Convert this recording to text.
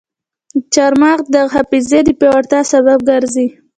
چارمغز د حافظې د پیاوړتیا سبب ګرځي.